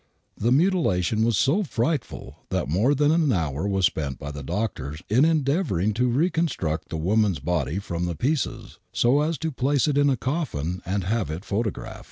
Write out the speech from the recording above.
The mutilation was so frightful that more than an hour was spent by the doctors in endeavoring to reconstruct the woman's body from the pieces, so as to place it in a coffin and have it photo graphed.